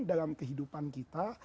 dalam kehidupan kita